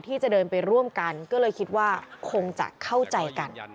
ที่จะเดินไปร่วมกันก็เลยคิดว่าคงจะเข้าใจกัน